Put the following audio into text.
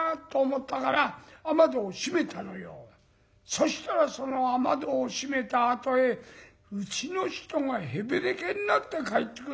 そしたらその雨戸を閉めたあとへうちの人がへべれけになって帰ってくるじゃない。